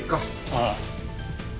ああ。